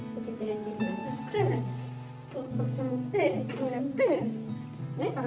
こうやって。